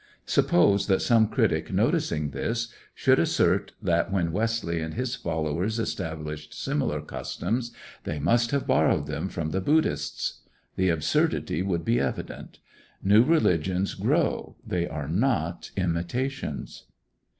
Suppose that some critic, noticing this, should assert that, when Wesley and his followers established similar customs, they must have borrowed them from the Buddhists. The absurdity would be evident. New religions grow, they are not imitations.